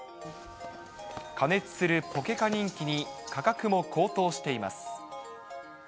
過熱するポケカ人気に価格も高騰しています。